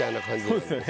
そうですよね。